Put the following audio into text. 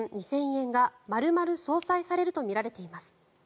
２０００円が丸々相殺されるとみられています。